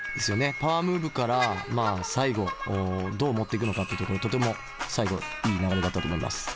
パワームーブから最後どう持っていくのかっていうところとても最後いい流れだったと思います。